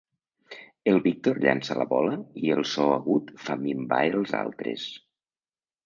El Víctor llança la bola i el so agut fa minvar els altres.